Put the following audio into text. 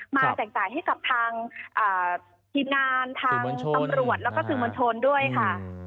แจกจ่ายให้กับทางทีมงานทางตำรวจแล้วก็สื่อมวลชนด้วยค่ะ